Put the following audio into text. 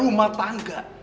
ibu rumah tangga